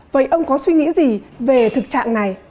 vậy ông có suy nghĩ gì về thực trạng này